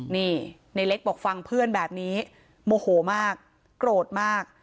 นี่ในเล็กบอกฟังเพื่อนแบบนี้โมโหมากโกรธมาก